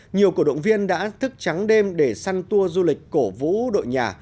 nhiều cổ động viên đã thức trắng đêm để săn tour du lịch cổ vũ đội nhà